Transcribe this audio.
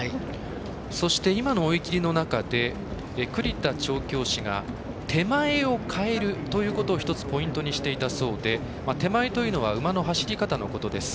そして今の追い切りの中で栗田調教師が手前をかえるということを一つポイントにしていたそうで手前というのは馬の走り方のことです。